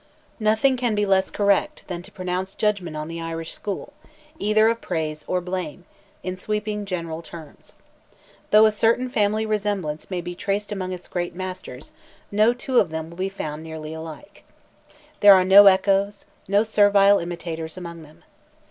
Nothing can be less correct, than to pronounce judgment on the Irish School, either of praise or blame, in sweeping general terms. Though a certain family resemblance may be traced among its great masters, no two of them will be found nearly alike. There are no echoes, no servile imitators, among them.